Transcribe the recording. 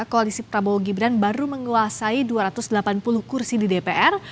koalisi prabowo gibran baru menguasai dua ratus delapan puluh kursi di dpr